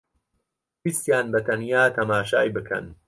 ویستیان بەتەنیا تەماشای بکەن